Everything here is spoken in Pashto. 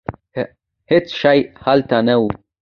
هېڅ شی هلته نه و.